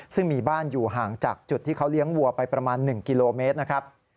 ซึ่งมีบ้านอยู่ห่างจากจุดที่เขาเลี้ยงวัวไปประมาณ๑กิโลเมตรนะครับ